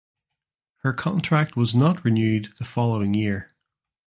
Her contract was not renewed the following year.